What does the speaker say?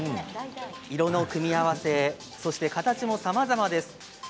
色の組み合わせ形もさまざまです。